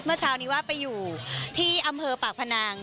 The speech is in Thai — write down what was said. เมื่อเช้านี้ว่าไปอยู่ที่อำเภอปากพนัง